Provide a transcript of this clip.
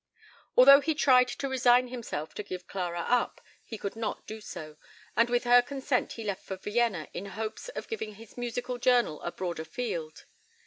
Although he tried to resign himself to give Clara up, he could not do so, and with her consent he left for Vienna in hopes of giving his music journal a broader field.